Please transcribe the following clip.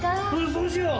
そうしよう。